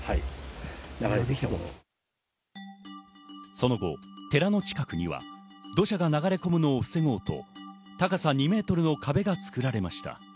その後、寺の近くには土砂が流れ込むのを防ごうと、高さ２ｍの壁が作られました。